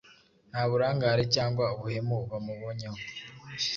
Nta burangare cyangwa ubuhemu bamubonyeho.